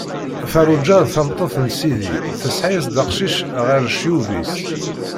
Feṛṛuǧa, tameṭṭut n sidi, tesɛa-as-d aqcic ɣer ccyub-is.